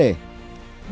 điều này rất khó khăn